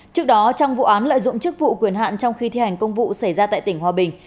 trước đó trong vụ án lợi dụng chức vụ quyền hạn trong khi thi hành công vụ xảy ra tại tỉnh hòa bình